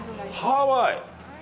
ハワイ！